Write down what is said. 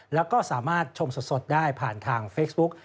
แล้วก็สามารถชมสดได้ผ่านทางเฟซบุ๊ก